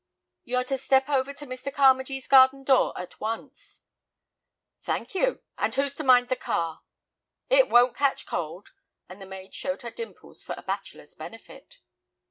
"You're to step over to Mr. Carmagee's garden door at once." "Thank you. And who's to mind the car?" "It won't catch cold," and the maid showed her dimples for a bachelor's benefit.